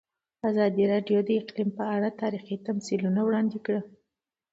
ازادي راډیو د اقلیم په اړه تاریخي تمثیلونه وړاندې کړي.